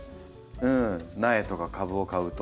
苗とか株を買うと。